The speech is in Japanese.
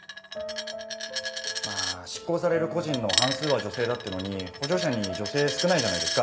まあ執行される個人の半数は女性だっていうのに補助者に女性少ないじゃないですか。